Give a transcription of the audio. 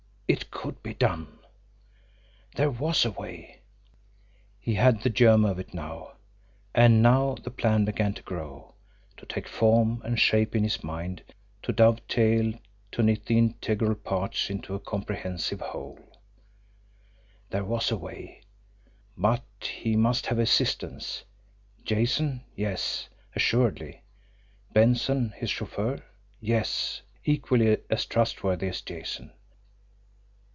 It could be done! There was a way! He had the germ of it now. And now the plan began to grow, to take form and shape in his mind, to dovetail, to knit the integral parts into a comprehensive whole. There was a way but he must have assistance. Jason yes, assuredly. Benson, his chauffeur yes, equally as trustworthy as Jason.